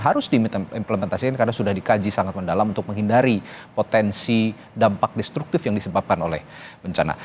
harus diimplementasikan karena sudah dikaji sangat mendalam untuk menghindari potensi dampak destruktif yang disebabkan oleh bencana